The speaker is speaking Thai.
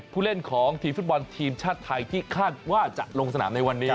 ผู้เล่นของทีมฟุตบอลทีมชาติไทยที่คาดว่าจะลงสนามในวันนี้